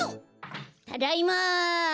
ただいま。